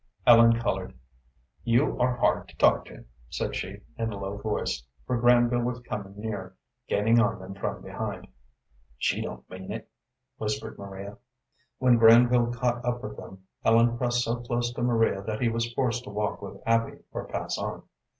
Ellen colored. "You are hard to talk to," said she, in a low voice, for Granville was coming nearer, gaining on them from behind. "She don't mean it," whispered Maria. When Granville caught up with them, Ellen pressed so close to Maria that he was forced to walk with Abby or pass on.